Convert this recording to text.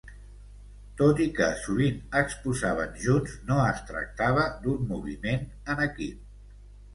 Tot i que sovint exposaven junts, no es tractava d'un moviment en equip.